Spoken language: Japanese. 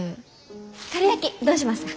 かるやきどうしますか？